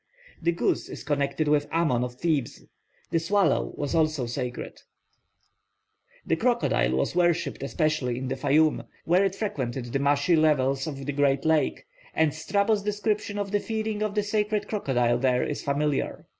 The goose is connected with Amon of Thebes. The swallow was also sacred. The crocodile was worshipped especially in the Fayum, where it frequented the marshy levels of the great lake, and Strabo's description of the feeding of the sacred crocodile there is familiar.